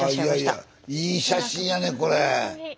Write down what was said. いい写真やねこれ。